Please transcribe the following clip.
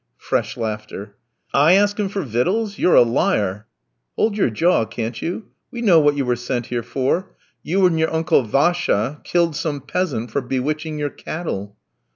Fresh laughter. "I ask him for victuals? You're a liar!" "Hold your jaw, can't you? We know what you were sent here for. You and your Uncle Vacia killed some peasant for bewitching your cattle."